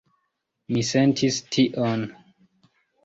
Mi sentis tion.